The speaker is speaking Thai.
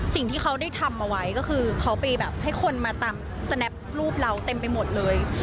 สิ่งที่เขาได้ทำเอาไว้ก็คือเขาไปแบบให้คนมาตามสแนปรูปเราเต็มไปหมดเลย